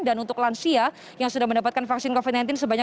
dan untuk lansia yang sudah mendapatkan vaksin covid sembilan belas